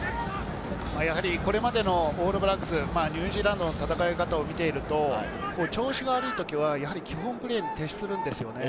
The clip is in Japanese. これまでのオールブラックス、ニュージーランドの戦い方を見ていると、調子が悪い時は基本プレーに徹するんですよね。